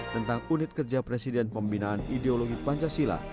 tentang unit kerja presiden pembinaan ideologi pancasila